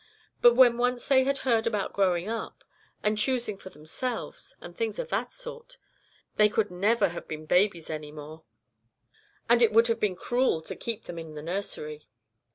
But when once they had heard about growing up, and choosing for themselves, and things of that sort, they could never have been babies any more, and it would have been cruel to keep them in the nursery.